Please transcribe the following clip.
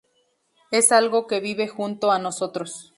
Es algo que vive junto a nosotros.